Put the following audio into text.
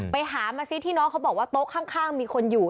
ไปหามาซิที่น้องเขาบอกว่าโต๊ะข้างมีคนอยู่